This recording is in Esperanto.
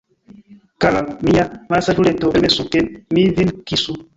Kara mia malsaĝuleto, permesu, ke mi vin kisu!